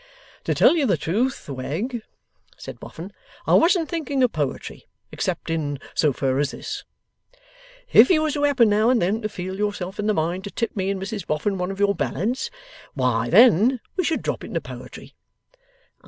'To tell you the truth Wegg,' said Boffin, 'I wasn't thinking of poetry, except in so fur as this: If you was to happen now and then to feel yourself in the mind to tip me and Mrs Boffin one of your ballads, why then we should drop into poetry.